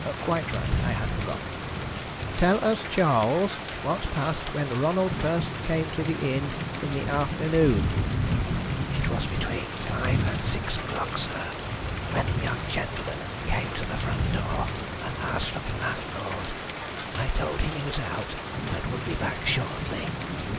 "Quite right. I had forgotten. Tell us, Charles, what passed when Ronald first came to the inn in the afternoon." "It was between five and six o'clock, sir, when the young gentleman came to the front door and asked for the landlord. I told him he was out, but would be back shortly.